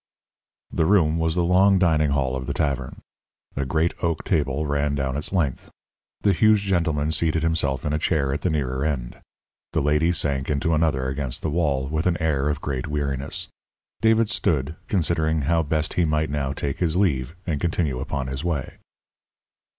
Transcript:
The room was the long dining hall of the tavern. A great oak table ran down its length. The huge gentleman seated himself in a chair at the nearer end. The lady sank into another against the wall, with an air of great weariness. David stood, considering how best he might now take his leave and continue upon his way.